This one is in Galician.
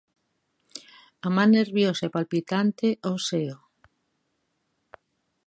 A man nerviosa e palpitante o seo.